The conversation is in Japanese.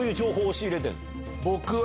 僕は。